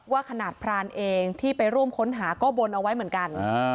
ขนาดพรานเองที่ไปร่วมค้นหาก็บนเอาไว้เหมือนกัน